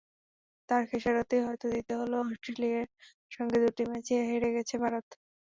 তার খেসারতই হয়তো দিতে হলো, অস্ট্রেলিয়ার সঙ্গে দুটি ম্যাচেই হেরে গেছে ভারত।